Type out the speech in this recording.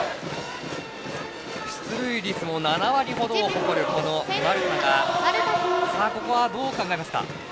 出塁率も７割ほどを誇る丸田がここはどう考えますか。